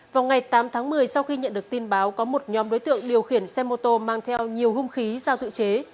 vào ngày tám tháng một mươi sau khi nhận được tin báo có một nhóm đối tượng điều khiển xe mô tô mang theo nhiều hung khí giao tự chế